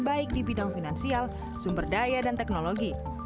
baik di bidang finansial sumber daya dan teknologi